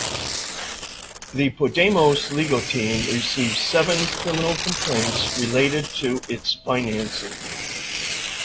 The Podemos legal team received seven criminal complaints related to its financing.